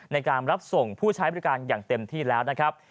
ในการรับส่งผู้ใช้บริการอย่างเต็มที่แล้วนะครับ